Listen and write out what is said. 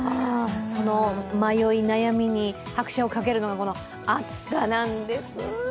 その迷い悩みに拍車をかけるのが、暑さなんです。